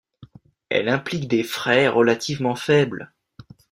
Elle implique des frais relativement faibles.